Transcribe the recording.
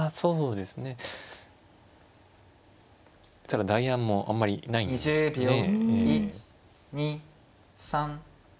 ただ代案もあんまりないんですけどね。